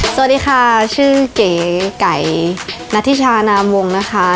สวัสดีค่ะชื่อเก๋ไก่นัทธิชานามวงนะคะ